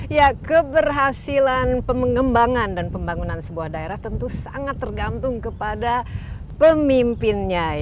ya keberhasilan pengembangan dan pembangunan sebuah daerah tentu sangat tergantung kepada pemimpinnya